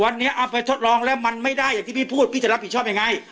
วันนี้เอาไปทดลองแล้วมันไม่ได้อย่างที่พี่พูดพี่จะรับผิดชอบยังไง